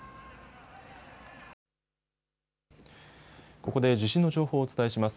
ここで地震の情報をお伝えします。